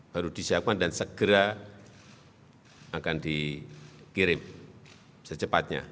baru disiapkan dan segera akan dikirim secepatnya